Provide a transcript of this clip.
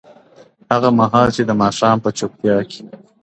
هغه مهال چې د ماښام په چوپتیا کې